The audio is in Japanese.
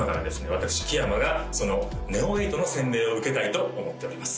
私木山がそのＮＥＯ８の洗礼を受けたいと思っております